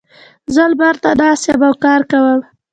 زه لمر ته ناست یم او کار کوم.